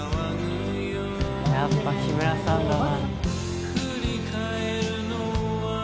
やっぱ木村さんだな。